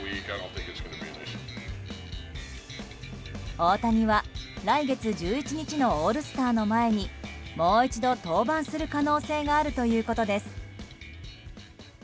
大谷は来月１１日のオールスターの前にもう一度、登板する可能性があるということです。